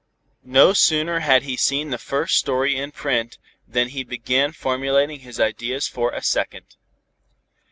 No sooner had he seen the first story in print than he began formulating his ideas for a second.